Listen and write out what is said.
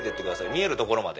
見えるところまで。